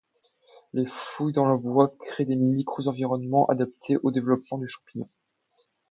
Les fouilles dans le bois créent un micro-environnement adapté au développement du champignon.